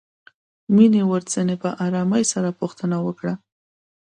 مينې ورڅنې په آرامۍ سره پوښتنه وکړه.